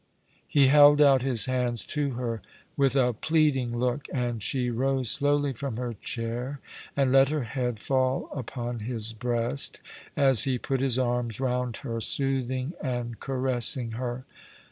He held out his hands to her with a ple*ading look, and she rose slowly from her chair, and let her head fall upon his breast as he put his arms round her, soothing and caressing her.